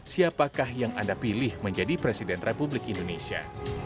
siapakah yang anda pilih menjadi presiden republik indonesia